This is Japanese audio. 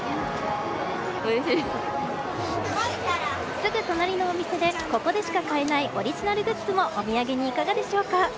すぐ隣のお店でここでしか買えないオリジナルグッズもお土産にいかがでしょうか？